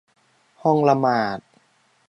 ห้องละหมาด